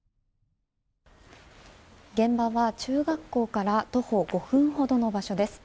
現場は中学校から徒歩５分ほどの場所です。